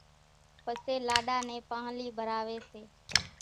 پسيَ لاڏا نين پانۿلِي ڀراويَ سي۔